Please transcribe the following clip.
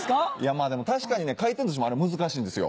まぁでも確かに回転寿司もあれ難しいんですよ。